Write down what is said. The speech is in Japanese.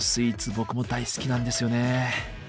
僕も大好きなんですよね。